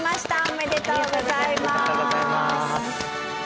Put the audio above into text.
おめでとうございます。